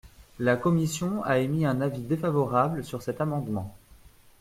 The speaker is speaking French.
La commission a émis un avis défavorable sur cet amendement.